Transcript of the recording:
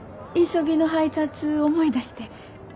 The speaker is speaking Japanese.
急ぎの配達思い出して。